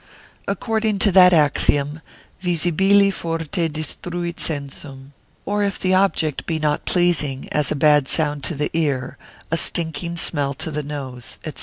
According to that axiom, visibile forte destruit sensum. Or if the object be not pleasing, as a bad sound to the ear, a stinking smell to the nose, &c.